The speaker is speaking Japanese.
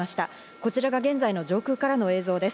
こちらが現在の上空からの映像です。